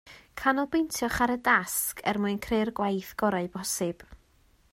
Canolbwyntiwch ar y dasg er mwyn creu'r gwaith gorau posib